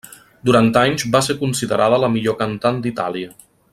Durant anys va ser considerada la millor cantant d'Itàlia.